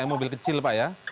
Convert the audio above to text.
mobil kecil pak ya